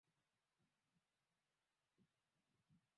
na Wafaranki kuenea zaidi Ulaya bara Kabila hilo kubwa la Kigermanik